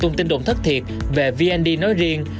thông tin đồn thất thiệt về vnd nói riêng